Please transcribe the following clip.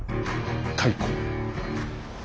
「太閤」。